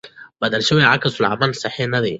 بدل شوي عکس العملونه صحي دي.